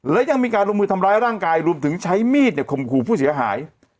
และยังมีการลงมือทำร้ายร่างกายรวมถึงใช้มีดเนี่ยข่มขู่ผู้เสียหาย